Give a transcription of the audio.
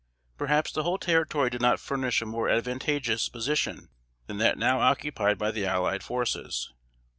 Perhaps the whole territory did not furnish a more advantageous position than that now occupied by the allied forces.